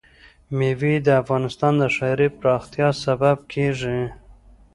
مېوې د افغانستان د ښاري پراختیا سبب کېږي.